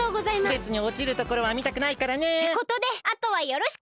べつにおちるところはみたくないからね。ってことであとはよろしく！